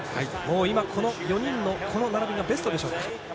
今、この４人のこの並びがベストでしょうか。